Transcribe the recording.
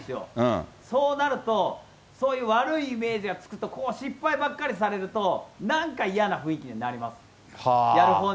そうなると、そういう悪いイメージがつくと、こう失敗ばっかりされると、なんか嫌な雰囲気になります。